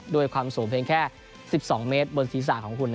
ด้วยความสูงเพียงแค่๑๒เมตรบนศีรษะของคุณ